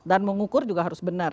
dan mengukur juga harus benar